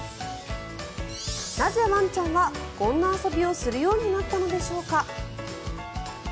なぜワンちゃんはこんな遊びをするようになったのでしょうか。